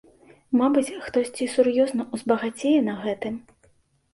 Мабыць, хтосьці сур'ёзна ўзбагацее на гэтым.